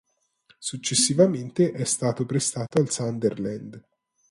Successivamente, è stato prestato al Sunderland.